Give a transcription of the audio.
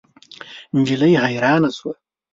نجلۍ حیرانه شوه.